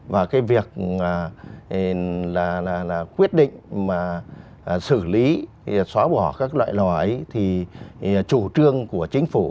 và cái việc là quyết định mà xử lý xóa bỏ các loại lò ấy thì chủ trương của chính phủ